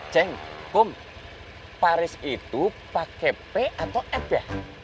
ceng kum paris itu pake p atau f ya